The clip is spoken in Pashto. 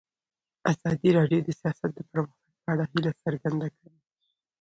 ازادي راډیو د سیاست د پرمختګ په اړه هیله څرګنده کړې.